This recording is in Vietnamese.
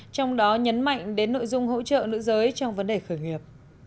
trong đó nhấn mạnh đến nội dung hỗ trợ nữ giới trong vấn đề khởi nghiệp